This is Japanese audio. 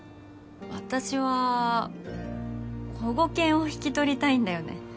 私は保護犬を引き取りたいんだよね。